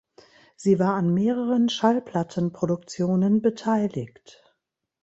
Sie war an mehreren Schallplattenproduktionen beteiligt.